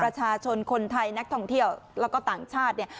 ประชาชนคนไทยนักท่องเที่ยวแล้วก็ต่างชาติเนี่ย